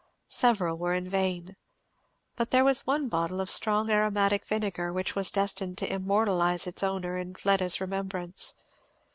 Several were in vain. But there was one bottle of strong aromatic vinegar which was destined to immortalize its owner in Fleda's remembrance.